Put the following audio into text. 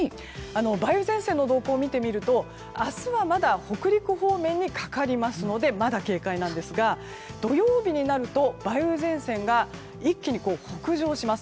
梅雨前線の動向を見てみると明日はまだ北陸方面にかかりますのでまだ警戒なんですが土曜日になると梅雨前線が一気に北上します。